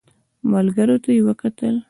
ملګرو ته يې وکتل.